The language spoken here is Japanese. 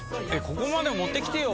ここまで持ってきてよ。